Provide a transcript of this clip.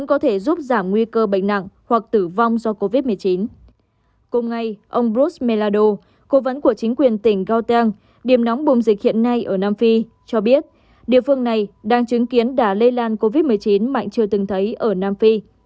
cùng ngay ông bruce melado cố vấn của chính quyền tỉnh gauteng điểm nóng bùng dịch hiện nay ở nam phi cho biết địa phương này đang chứng kiến đã lây lan covid một mươi chín mạnh chưa từng thấy ở nam phi